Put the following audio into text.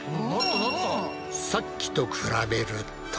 さっきと比べると。